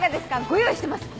ご用意してます。